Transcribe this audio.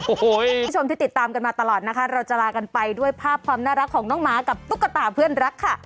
คุณผู้ชมที่ติดตามกันมาตลอดนะคะเราจะลากันไปด้วยภาพความน่ารักของน้องหมากับตุ๊กตาเพื่อนรักค่ะ